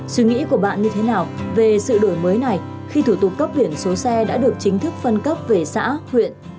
suy nghĩ của bạn như thế nào về sự đổi mới này khi thủ tục cấp biển số xe đã được chính thức phân cấp về xã huyện